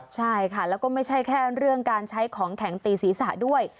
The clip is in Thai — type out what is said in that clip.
ใช่ค่ะแล้วก็ไม่ใช่แค่เรื่องการใช้ของแข็งตีศีรษะด้วย